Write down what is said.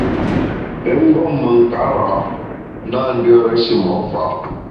Pé mgbom me nkarâ na ndùere shimo’ fa’.